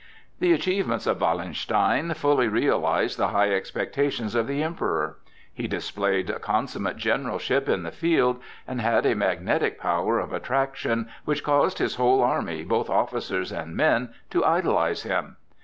The achievements of Wallenstein fully realized the high expectations of the Emperor. He displayed consummate generalship in the field, and had a magnetic power of attraction which caused his whole army, both officers and men, to idolize him.